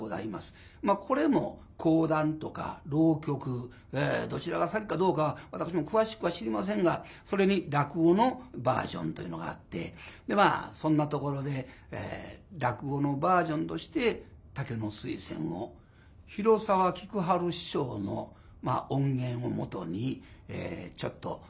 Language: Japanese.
まあこれも講談とか浪曲どちらが先かどうかは私も詳しくは知りませんがそれに落語のバージョンというのがあってでまあそんなところで落語のバージョンとして「竹の水仙」を広沢菊春師匠の音源を基にちょっと覚えさせて頂きました。